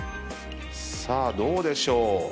さあどうでしょう？